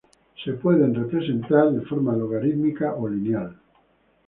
Pueden ser representadas de forma logarítmica o lineal.